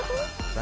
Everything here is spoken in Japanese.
何？